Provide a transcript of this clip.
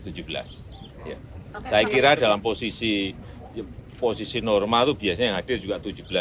saya kira dalam posisi normal itu biasanya yang hadir juga tujuh belas